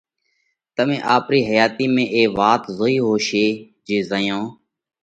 تمي آپرِي حياتِي ۾ اي وات زوئي ھوشي جي زئيون